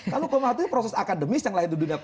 kalau hukuman itu proses akademis yang lain di dunia